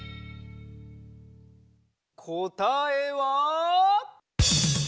こたえは。